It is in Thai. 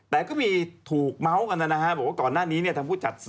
แต่ก็มีถูกเมาส์กันนะฮะบอกว่าก่อนหน้านี้เนี่ยทางผู้จัดสิ